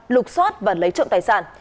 lục xót và lấy trộm tài sản